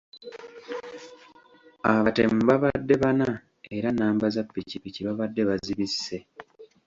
Abatemu babadde bana era nnamba za ppikipiki babadde bazibisse.